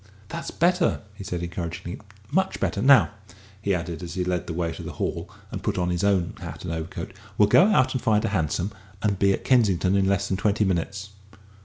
"That's better," he said encouragingly; "much better. Now," he added, as he led the way to the hall and put on his own hat and overcoat, "we'll go out and find a hansom and be at Kensington in less than twenty minutes."